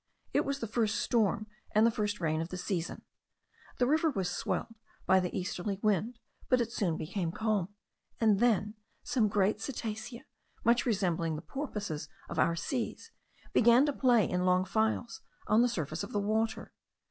It was the first storm and the first rain of the season. The river was swelled by the easterly wind; but it soon became calm, and then some great cetacea, much resembling the porpoises of our seas, began to play in long files on the surface of the water.